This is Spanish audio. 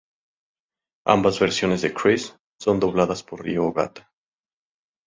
Ambas versiones de Chris son dobladas por Rio Ogata.